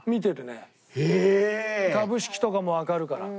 株式とかもわかるから。